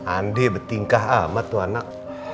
andi betingkah amat tuh anak